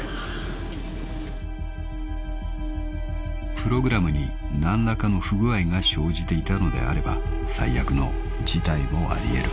［プログラムに何らかの不具合が生じていたのであれば最悪の事態もあり得る］